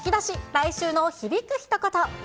来週の響くひと言。